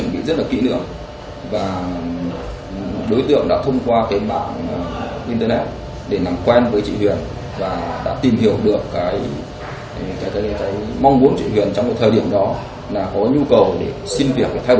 việc kiểm tra đội sản th wandering như vậy đã không trở nên lời khẳng định